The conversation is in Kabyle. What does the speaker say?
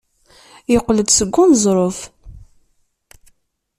Yeqqel-d seg uneẓruf.